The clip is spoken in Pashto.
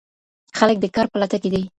خلګ د کار په لټه کي دي.